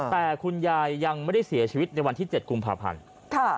แต่คุณยายยังไม่ได้เสียชีวิตในวันที่๗กุมภาพันธ์